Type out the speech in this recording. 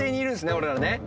俺らね。